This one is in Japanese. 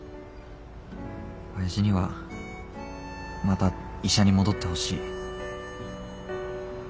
親父にはまた医者に戻ってほしい。